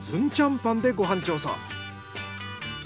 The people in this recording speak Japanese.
パンでご飯調査。